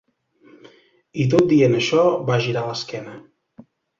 I tot dient això va girar l'esquena